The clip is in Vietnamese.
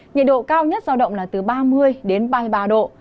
nhiệt độ cao nhất giao động là từ ba mươi đến ba mươi ba độ